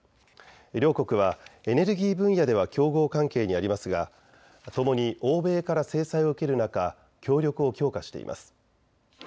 両国はエネルギー分野では競合関係にありますがともに欧米から制裁を受ける中、協力を強化しています。